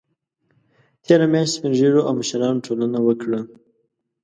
تېره میاشت سپین ږیرو او مشرانو ټولنه وکړه